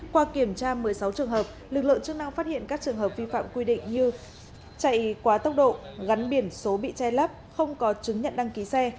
qua kiểm tra một mươi sáu trường hợp lực lượng chức năng phát hiện các trường hợp vi phạm quy định như chạy quá tốc độ gắn biển số bị che lắp không có chứng nhận đăng ký xe